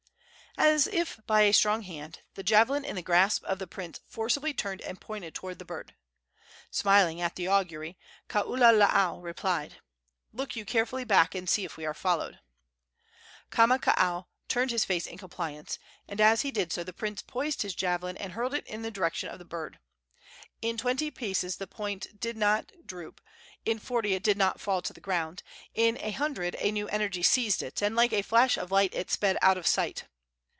As if by a strong hand, the javelin in the grasp of the prince forcibly turned and pointed toward the bird. Smiling at the augury, Kaululaau replied: "Look you carefully back and see if we are followed." Kamakaua turned his face in compliance, and as he did so the prince poised his javelin and hurled it in the direction of the bird. In twenty paces the point did not droop; in forty it did not fall to the ground; in a hundred a new energy seized it, and like a flash of light it sped out of sight.